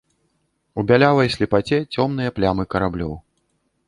У бялявай слепаце цёмныя плямы караблёў.